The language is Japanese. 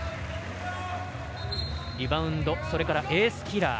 リバウンドそれからエースキラー。